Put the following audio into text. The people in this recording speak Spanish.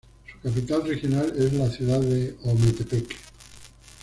Su capital regional es la ciudad de Ometepec.